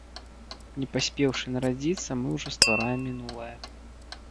Не паспеўшы нарадзіцца, мы ўжо ствараем мінулае.